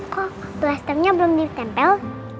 kok belas temennya belum ditempel